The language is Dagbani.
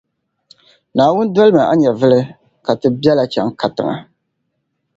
Naawuni dolimi a nyɛvuli ka ti beli a n-chaŋ katiŋa.